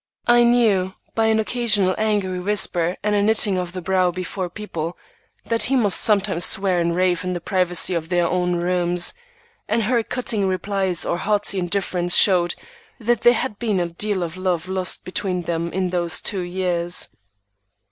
I knew, by an occasional angry whisper and knitting of the brow before people, that he must sometimes swear and rave in the privacy of their own rooms, and her cutting replies or haughty indifference showed that there had been a deal of love lost between them in those two years.